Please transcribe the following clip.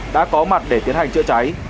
đã có mặt để tiến hành chữa cháy